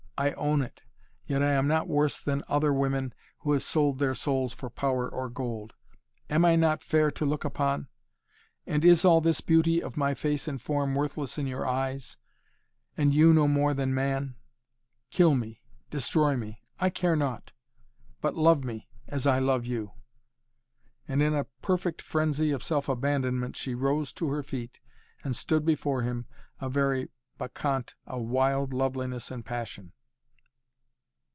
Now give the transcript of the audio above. I own it. Yet I am not worse than other women who have sold their souls for power or gold. Am I not fair to look upon? And is all this beauty of my face and form worthless in your eyes, and you no more than man? Kill me destroy me I care naught. But love me as I love you!" and in a perfect frenzy of self abandonment she rose to her feet and stood before him, a very bacchante of wild loveliness and passion.